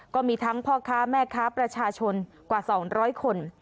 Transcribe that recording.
ก็มีทั้งพ่อค้าแม่ค้าประชาชนกว่า๒๐๐คน